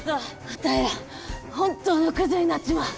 あたいら本当のクズになっちまう。